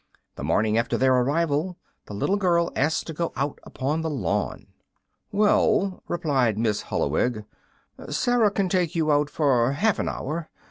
The morning after their arrival the little girl asked to go out upon the lawn. "Well," replied Nurse Holloweg, "Sarah can take you out for half an hour.